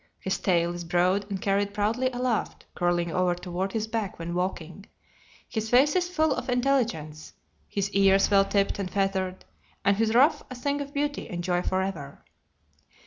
His tail is broad and carried proudly aloft, curling over toward his back when walking. His face is full of intelligence: his ears well tipped and feathered, and his ruff a thing of beauty and a joy forever.